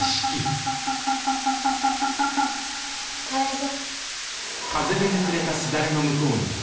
誰ぞ。